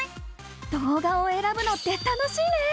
動画をえらぶのって楽しいね！